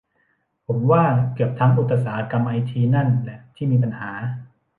ผมว่าเกือบทั้งอุตสาหกรรมไอทีนั่นแหละที่มีปัญหา